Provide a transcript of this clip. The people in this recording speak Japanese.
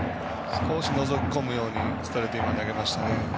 少しのぞきこむようにストレートを投げましたね。